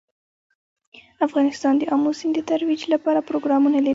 افغانستان د آمو سیند د ترویج لپاره پروګرامونه لري.